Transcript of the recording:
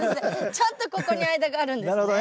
ちゃんとここに間があるんですね。